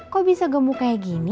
kok bisa gemuk kayak gini